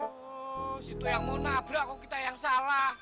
oh situ yang mau nabrak kok kita yang salah